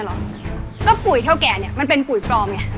หรอก็ปุ๋ยเท่าแก่เนี้ยมันเป็นปุ๋ยปล่องเนี่ย